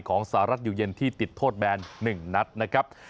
สหรัฐอยู่เย็นที่ติดโทษแบน๑นัดนะครับ